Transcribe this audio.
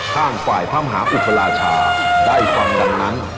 ทางฝ่ายพระมหาอุปราชาได้ฟังดังนั้น